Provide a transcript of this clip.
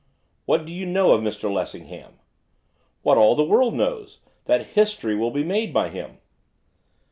'What do you know of Mr Lessingham?' 'What all the world knows, that history will be made by him.